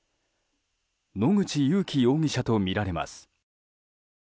野口勇樹容疑者とみられます。